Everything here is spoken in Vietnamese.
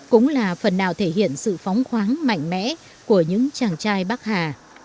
cũng là phần nào thể hiện sự phóng khoáng mạnh mẽ của những chàng trai bắc hà